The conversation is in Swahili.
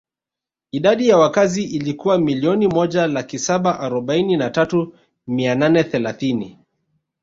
Idadi ya wakazi ilikuwa milioni moja laki saba arobaini na tatu mia nane thelathini